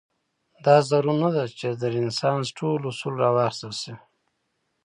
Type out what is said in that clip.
دا ضرور نه ده چې د رنسانس ټول اصول راواخیستل شي.